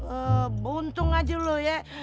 eh buntung aja loh ya